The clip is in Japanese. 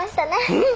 うん！